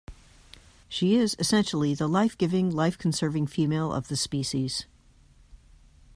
She is essentially the life-giving, life-conserving female of the species.